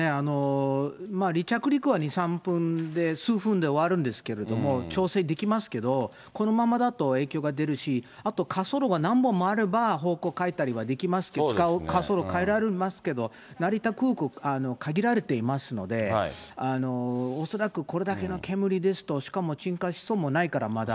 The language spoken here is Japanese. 離着陸は２、３分で、数分で終わるんですけれども、調整できますけど、このままだと影響が出るし、あと滑走路が何本もあれば、方向変えたりはできますけど、使う滑走路変えられますけど、成田空港、限られていますので、恐らくこれだけの煙ですと、しかも鎮火しそうもないから、まだ。